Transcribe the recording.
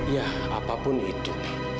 ya apapun itu